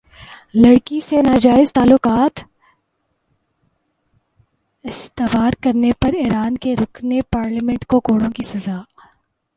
لڑکی سے ناجائز تعلقات استوار کرنے پر ایران کے رکن پارلیمنٹ کو کوڑوں کی سزا